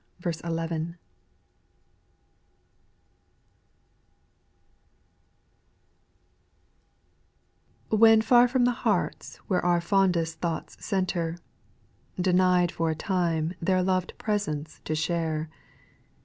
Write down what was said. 1. T1[7HEN fir from the hearts where our fond* I T est thoughts centre. Denied for a time their loved presence to share.